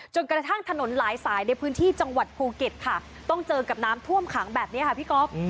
กระทั่งถนนหลายสายในพื้นที่จังหวัดภูเก็ตค่ะต้องเจอกับน้ำท่วมขังแบบนี้ค่ะพี่ก๊อฟ